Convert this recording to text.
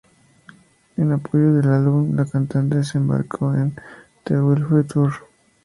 En apoyo del álbum, la cantante se embarcó en "The Wildfire Tour".